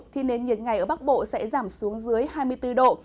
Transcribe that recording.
thì nền nhiệt ngày ở bắc bộ sẽ giảm xuống dưới hai mươi bốn độ